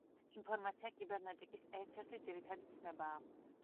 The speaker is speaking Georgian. ინფორმაცია კიბერნეტიკის ერთ-ერთი ძირითადი ცნებაა.